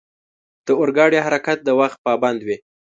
د اورګاډي حرکت د وخت پابند وي.